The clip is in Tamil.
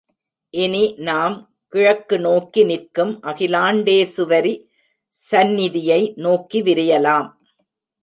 இனி நாம் கிழக்கு நோக்கி நிற்கும் அகிலாண்டேசுவரி சந்நிதியை நோக்கி விரையலாம்.